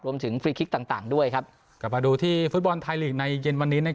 รวมถึงถ้าคลิกต่างด้วยครับกลับมาดูที่ฟุตบอลไทยฤทธิ์ในเย็นวันนี้นะครับ